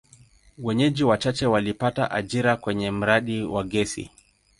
Wenyeji wachache walipata ajira kwenye mradi wa gesi.